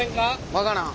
分からん。